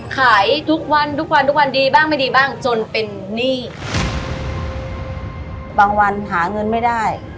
ขายทุกวันทุกวันทุกวันดีบ้างไม่ดีบ้างจนเป็นหนี้บางวันหาเงินไม่ได้